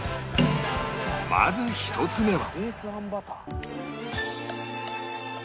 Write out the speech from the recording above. まず１つ目は